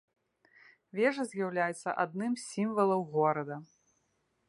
Вежа з'яўляецца адным з сімвалаў горада.